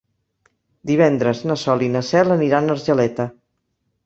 Divendres na Sol i na Cel aniran a Argeleta.